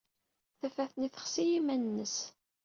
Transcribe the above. Tafat-nni texsi i yiman-nnes.